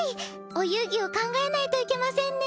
お遊戯を考えないといけませんね。